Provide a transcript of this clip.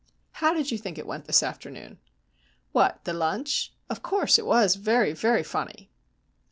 How did you think it went this afternoon?" "What? The lunch? Of course it was very, very funny."